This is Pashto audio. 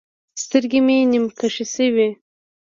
سترګې مې نيم کښې سوې.